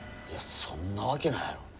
そんなわけないやろ。